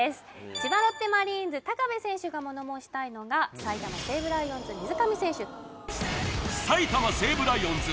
千葉ロッテマリーンズ部選手が物申したいのが埼玉西武ライオンズ水上選手